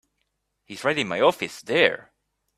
He's right in my office there.